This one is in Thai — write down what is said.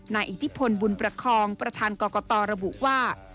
อิทธิพลบุญประคองประธานกรกตระบุว่า